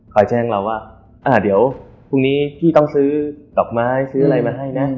แจ้งเราว่าอ่าเดี๋ยวพรุ่งนี้พี่ต้องซื้อดอกไม้ซื้ออะไรมาให้นะ